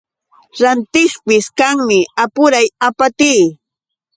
Rantiqpis kanmi apuray apatii.